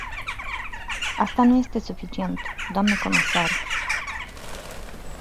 Asta nu este suficient, doamnă comisar.